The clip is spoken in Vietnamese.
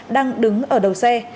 đang đứng ở đầu xe